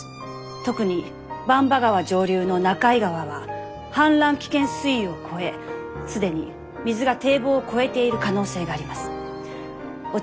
特に番場川上流の中居川は氾濫危険水位を超え既に水が堤防を越えている可能性があります。